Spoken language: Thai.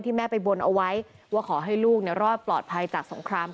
แม่ไปบนเอาไว้ว่าขอให้ลูกรอดปลอดภัยจากสงคราม